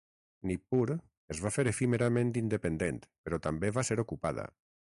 Nippur es va fer efímerament independent però també va ser ocupada.